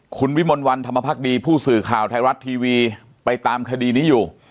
คุณวิมลวันธรรมภักดีผู้สื่อข่าวไทยรัฐทีวีไปตามคดีนี้อยู่